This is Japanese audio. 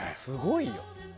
すごいよ。